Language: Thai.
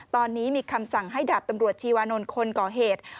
ตอนนี้มีคำสั่งให้ดาบตำรวจชีวานนท์คนก่อเหตุ